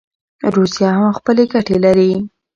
روسیه هم خپلي ګټي لري.